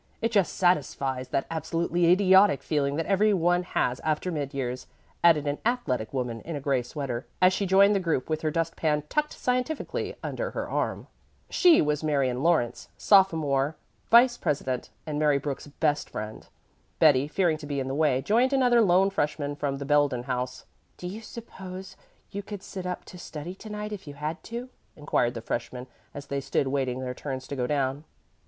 It just satisfies that absolutely idiotic feeling that every one has after mid years," added an athletic young woman in a gray sweater, as she joined the group with her dust pan tucked scientifically under her arm. She was Marion Lawrence, sophomore vice president, and Mary Brooks's best friend. Betty, fearing to be in the way, joined another lone freshman from the Belden House. "Do you suppose you could sit up to study to night if you had to?" inquired the freshman as they stood waiting their turns to go down.